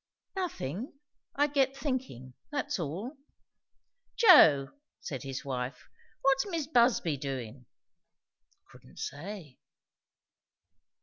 "Nothing. I get thinking; that's all." "Joe," said his wife, "what's Mis' Busby doin'?" "Couldn't say."